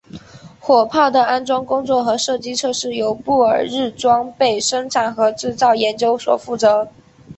火炮的安装工作和射击测试由布尔日装备生产和制造研究所负责。